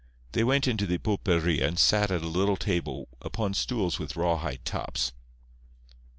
They went into the pulperia and sat at a little table upon stools with rawhide tops.